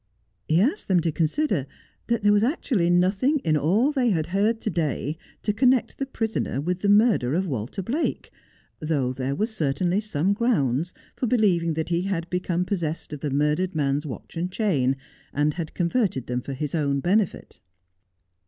He asked them to consider that there was actually nothing in all they had heard to day to connect the prisoner with the murder of Walter Blake, though there was certainly some ground for believing that he had become possessed of the murdered man's watch and chain, and had converted them for his own benefit.